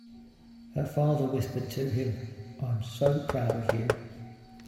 Her father whispered to him, "I am so proud of you!"